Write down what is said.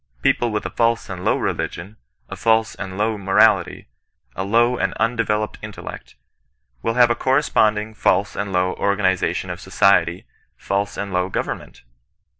People with a false and low reli gion, a false and low morality, a low and undeveloped intellect, will have a corresponding false and low orga nization of society, false and low government!.